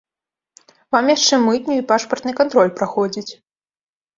Вам яшчэ мытню і пашпартны кантроль праходзіць.